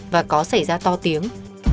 và có xảy ra to tiếng